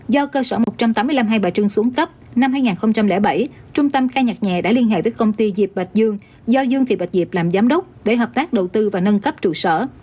do cơ sở một trăm tám mươi năm hai bà trưng xuống cấp năm hai nghìn bảy trung tâm ca nhạc nhẹ đã liên hệ với công ty diệp bạch dương do dương thị bạch diệp làm giám đốc để hợp tác đầu tư và nâng cấp trụ sở